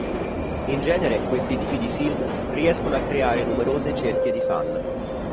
In genere questi tipi di film riescono a creare numerose cerchie di fan.